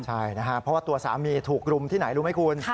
ใช่นะครับเพราะว่าตัวสามีถูกรุมที่ไหนรู้ไหมคุณ